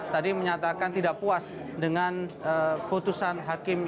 tadi menyatakan tidak puas dengan putusan hakim